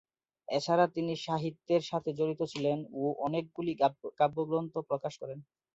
এছাড়া তিনি সাহিত্যের সাথে জড়িত ছিলেন ও অনেকগুলি কাব্যগ্রন্থ প্রকাশ করেন।